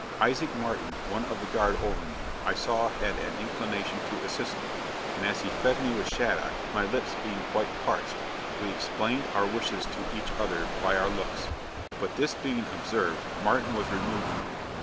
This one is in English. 'Isaac Martin, one of the guard over me, I saw had an inclination to assist me, and as he fed me with shaddock (my lips being quite parched) we explained our wishes to each other by our looks; but this being observed, Martin was removed from me.